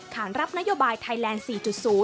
ขานรับนโยบายไทยแลนด์๔๐